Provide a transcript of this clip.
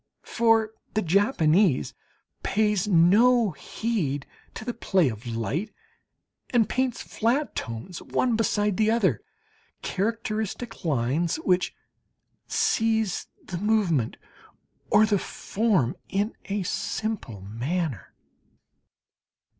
For the Japanese pays no heed to the play of light, and paints flat tones one beside the other characteristic lines, which seize the movement or the form in a simple manner.